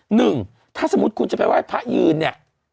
หนึ่งถ้าสมมุติคุณจะไปไหว้พระยืนเนี่ย